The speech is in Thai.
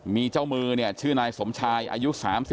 มีเจ้ามือชื่อนายสมชายอายุ๓๗